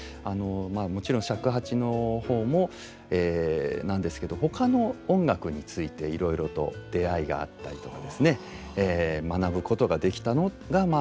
もろちん尺八の方もなんですけどほかの音楽についていろいろと出会いがあったりとかですね学ぶことができたのがまあ本当に大きかったと思います。